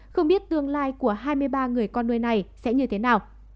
không biết tương lai của hai mươi ba người con nuôi này sẽ như thế nào